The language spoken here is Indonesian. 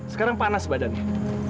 sekarang panas badannya